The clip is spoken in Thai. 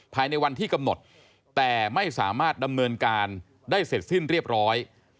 ภายในวันที่กำหนดแต่ไม่สามารถดำเนินการได้เสร็จสิ้นเรียบร้อย